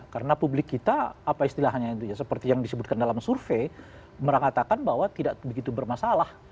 karena publik kita apa istilahnya itu ya seperti yang disebutkan dalam survei merangatakan bahwa tidak begitu bermasalah